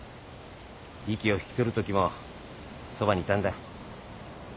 息を引き取るときもそばにいたんだ。